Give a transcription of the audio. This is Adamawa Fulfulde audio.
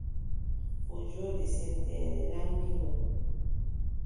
O jooɗi, semteende naŋgi mo.